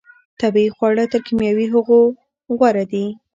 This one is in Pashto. طبیعي خواړه تر کیمیاوي هغو غوره دي.